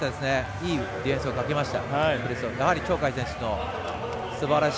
いいディフェンスをかけました。